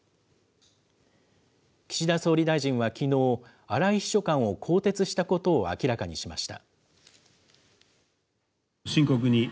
岸田総理大臣はきのう、荒井秘書官を更迭したことを明らかにしました。